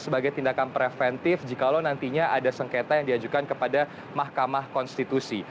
sebagai tindakan preventif jikalau nantinya ada sengketa yang diajukan kepada mahkamah konstitusi